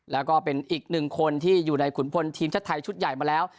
แล้วก็เป็นอีกหนึ่งคนที่อยู่ในขุนพลทีมชาติไทยชุดใหญ่มาแล้ว